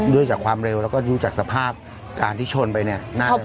ด้วยความเร็วแล้วก็ดูจากสภาพการที่ชนไปเนี่ย